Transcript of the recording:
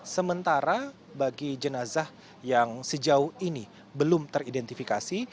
sementara bagi jenazah yang sejauh ini belum teridentifikasi